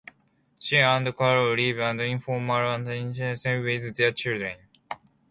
She and Carl lived an informal and intimate family life with their children.